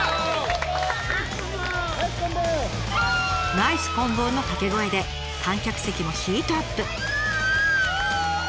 「ナイスこん棒」の掛け声で観客席もヒートアップ！